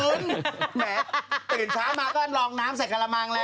แหมตื่นเช้ามาก็ลองน้ำใส่กระมังแล้ว